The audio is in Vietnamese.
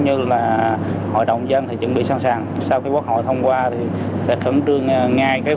như là hội đồng dân thì chuẩn bị sẵn sàng sau khi quốc hội thông qua thì sẽ khẩn trương ngay cái